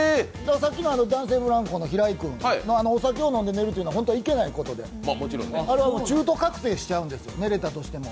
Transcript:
さっきの男性ブランコの平井君、お酒を飲んで寝るというのはいけないことで、あれは中途覚醒しちゃうんですよ、寝れたとしても。